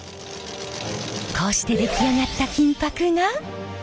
こうして出来上がった金箔が。